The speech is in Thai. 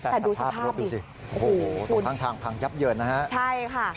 แต่สภาพรถดูสิโอ้โหตกข้างทางพังยับเยินนะฮะใช่ค่ะ